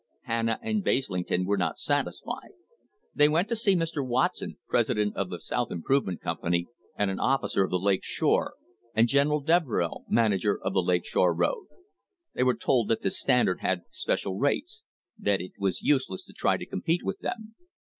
Hanna and Basling ton were not satisfied. They went to see Mr. Watson, president di the South Improvement Company and an officer of the Lake Shore, and General Devereux, manager of the Lake Shore road. They were told that the Standard had special rates ; that it was useless to try to compete with them.